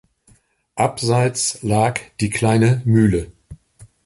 Abseits lag die Kleine Mühle.